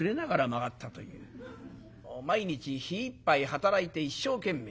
毎日日いっぱい働いて一生懸命。